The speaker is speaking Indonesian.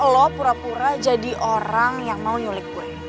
lo pura pura jadi orang yang mau nyulik gue